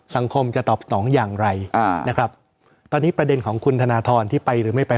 สังคมจะตอบสนองอย่างไรอ่านะครับตอนนี้ประเด็นของคุณธนทรที่ไปหรือไม่ไป